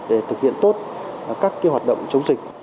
để thực hiện tốt các hoạt động chống dịch